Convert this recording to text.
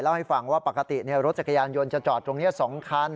ให้ฟังว่าปกติรถจักรยานยนต์จะจอดตรงนี้๒คัน